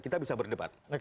kita bisa berdebat